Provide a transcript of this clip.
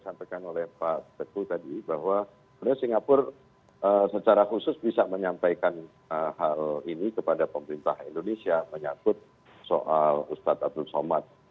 saya setuju tadi apa yang disampaikan oleh pak teguh tadi bahwa sebenarnya singapura secara khusus bisa menyampaikan hal ini kepada pemerintah indonesia menyakut soal ustadz abdul somad